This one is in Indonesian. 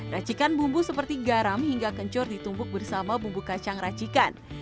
racikan bumbu seperti garam hingga kencur ditumbuk bersama bumbu kacang racikan